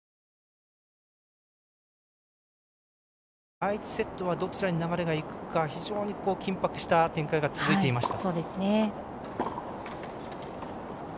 第１セットはどちらに流れがいくか非常に緊迫した展開が続いていました。